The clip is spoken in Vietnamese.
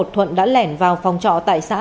thuận đã lẻn vào phòng trọ tài xã